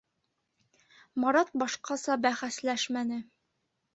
Марат башҡаса бәхәсләшмәне.